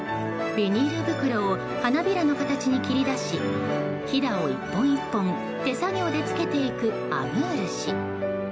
ビニール袋を花びらの形に切り出しひだを１本１本手作業でつけていくアムール氏。